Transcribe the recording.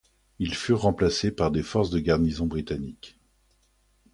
Ils furent remplacés par des forces de garnison britannique.